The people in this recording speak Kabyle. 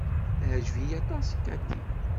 Teɛjeb-iyi aṭas Cathy.